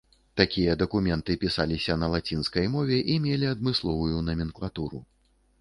Такія дакументы пісаліся на лацінскай мове і мелі адмысловую наменклатуру.